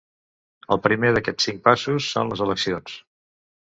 El primer d’aquests cinc passos són les eleccions.